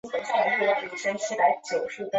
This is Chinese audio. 票上有写一个惨字